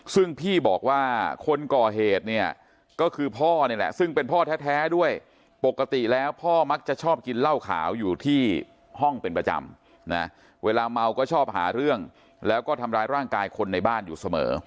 ซึ่งพี่บอกว่าคนก่อเหตุเนี่ยก็คือพ่อนี่แหละซึ่งเป็นพ่อแท้ด้วยปกติแล้วพ่อมักจะชอบกินเหล้าขาวอยู่ที่ห้องเป็นประจำนะเวลาเมาก็ชอบหาเรื่องแล้วก็ทำร้ายร่างกายคนในบ้านอยู่เสมอ